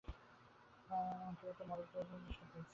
অঙ্কের একটা মডেল তৈরি করার চেষ্টা করছি।